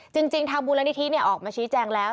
จริงทางมูลนิธิออกมาชี้แจงแล้ว